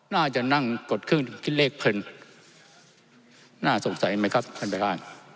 น่าจะนั่งกดเครื่องคิดเลขเพลินน่าสงสัยไหมครับท่านประธาน